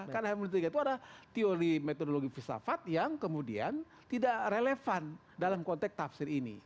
karena hermeneutika itu ada teori metodologi filsafat yang kemudian tidak relevan dalam konteks tafsir ini